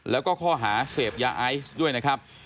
แล้วก็ข้อหาเสพยาไอซ์ด้วยนะครับ